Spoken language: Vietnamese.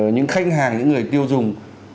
những khách hàng những người tiêu dùng